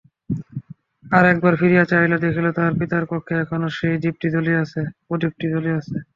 আর একবার ফিরিয়া চাহিল, দেখিল তাহার পিতার কক্ষে এখনো সেই প্রদীপটি জ্বলিতেছে।